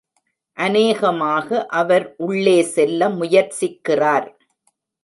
அநேகமாக அவர் உள்ளே செல்ல முயற்சிக்கிறார்.